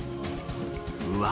うわ！